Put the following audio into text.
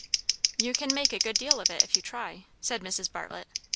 "You can make a good deal of it if you try," said Mrs. Bartlett.